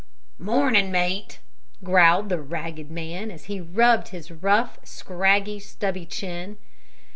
"Mornin' mate!" growled the ragged man, as he rubbed his rough, scraggy, stubby chin.